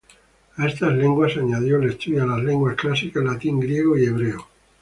A estas lenguas añadió el estudio de las lenguas clásicas latín, griego, y hebreo.